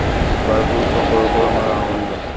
বাড়িসুদ্ধ সকলের উপর আমার রাগ হইল।